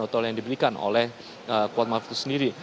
atau yang diberikan oleh kuat ma'ruf itu sendiri